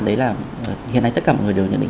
đấy là hiện nay tất cả mọi người đều nhận định